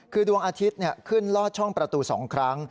คือดวงอาทิตย์ขึ้นลอดช่องประตู๒ครั้ง